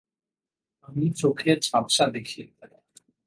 আমি চোখে ঝাপ্সা দেখি।